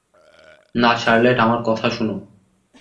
না, শার্লেট, আমার কথা শুনো।